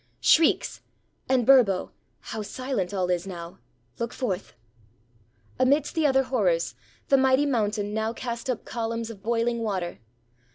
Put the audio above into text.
shrieks? And, Burbo, how silent all is now! Look forth!" Amidst the other horrors, the mighty mountain now cast up columns of boiling water.